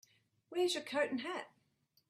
Where's your coat and hat?